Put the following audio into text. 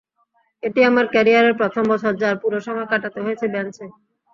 এটি আমার ক্যারিয়ারের প্রথম বছর, যার পুরো সময় কাটাতে হয়েছে বেঞ্চে।